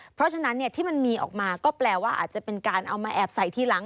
เพราะฉะนั้นที่มันมีออกมาก็แปลว่าอาจจะเป็นการเอามาแอบใส่ทีหลัง